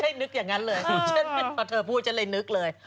ฉันไม่ได้นึกอย่างนั้นเลยเพราะเธอพูดฉันเลยนึกเลย